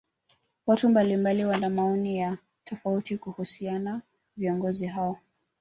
watu mbalimbali wana maoni yao tofauti kuhusiana viongozi hao